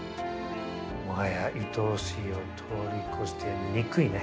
もはやいとおしいを通り越して憎いね。